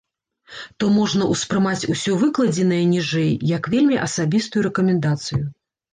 То можна ўспрымаць усё выкладзенае ніжэй як вельмі асабістую рэкамендацыю.